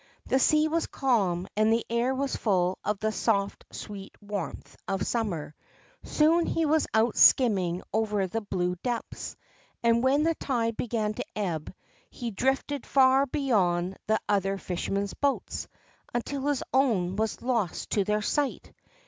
The sea was calm, and the air was full of the soft, sweet warmth of summer. Soon he was out skimming over the blue depths, and when the tide began to ebb, he drifted far beyond the other fishermen's boats, until his own was lost to their sight.